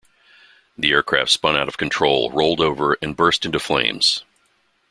The aircraft spun out of control, rolled over, and burst into flames.